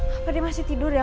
apa dia masih tidur ya